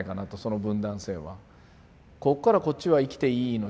ここからこっちは生きていい命